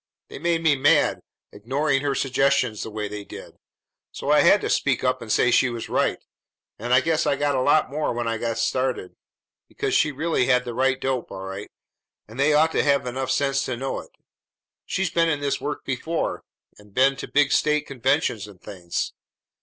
They made me mad, ignoring her suggestions the way they did; so I had to speak up and say she was right; and I guess I talked a lot more when I got started, because she really had the right dope, all right, and they ought to have had sense enough to know it. She's been in this work before, and been to big State conventions and things.